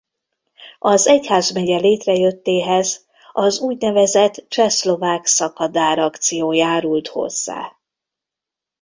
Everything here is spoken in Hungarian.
Az egyházmegye létrejöttéhez az úgynevezett csehszlovák szakadár akció járult hozzá.